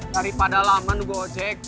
daripada lama nunggu ojek